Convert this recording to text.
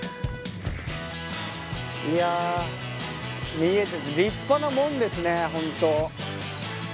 いやぁ見えてきた立派な門ですね本当。